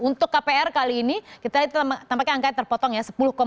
untuk kpr kali ini kita lihat tampaknya angkanya terpotong ya